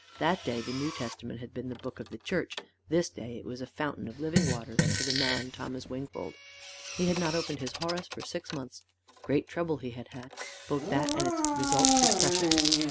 That day the New Testament had been the book of the church this day it was a fountain of living waters to the man Thomas Wingfold. He had not opened his Horace for six months. Great trouble he had had; both that and its results were precious.